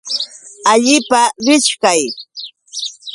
Allipa richkay.